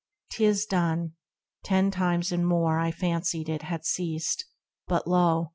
'Tis done, Ten times and more I fancied it had ceased, But lo